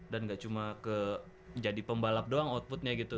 dan gak cuma ke jadi pembalap doang outputnya gitu